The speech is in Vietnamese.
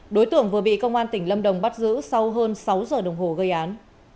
đối tượng vừa bị công an tỉnh lâm đồng bắt giữ sau hơn sáu giờ đồng hồ gây án